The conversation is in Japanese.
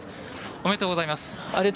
おめでとうございます。